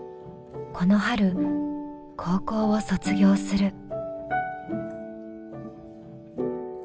この春高校を卒業する。